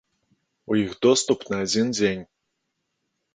У іх доступ на адзін дзень.